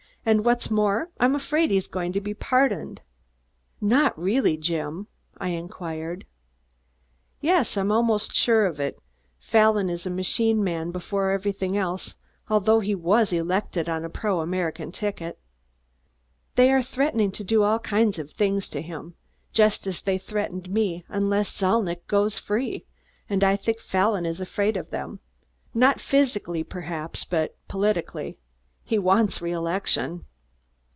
"And what's more, I'm afraid he's going to be pardoned." "Not really, Jim?" I queried. "Yes! I'm almost sure of it. Fallon is a machine man before everything else, although he was elected on a pro American ticket. They are threatening to do all kinds of things to him, just as they threatened me, unless Zalnitch goes free, and I think Fallon is afraid of them, not physically perhaps, but politically. He wants reelection."